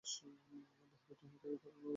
বাহিরের দুনিয়াটা ধারণার চেয়েও বেশ বড়।